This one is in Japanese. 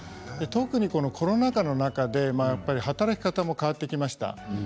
特にコロナ禍の中で働き方も変わってきました。